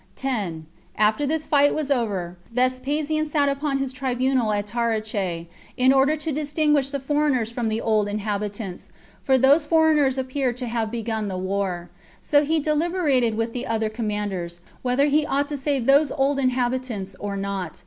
10. After this fight was over, Vespasian sat upon his tribunal at Taricheae, in order to distinguish the foreigners from the old inhabitants; for those foreigners appear to have begun the war. So he deliberated with the other commanders, whether he ought to save those old inhabitants or not.